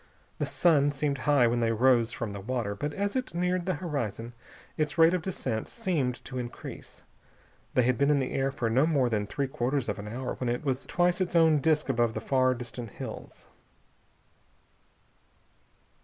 The sun seemed high when they rose from the water, but as it neared the horizon its rate of descent seemed to increase. They had been in the air for no more than three quarters of an hour when it was twice its own disk above the far distant hills.